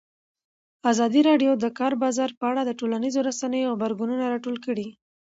ازادي راډیو د د کار بازار په اړه د ټولنیزو رسنیو غبرګونونه راټول کړي.